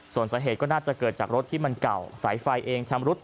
ส่วนสาเหตุก็น่าจะเกิดจากรถที่มันเก่าสายไฟเองชำรุด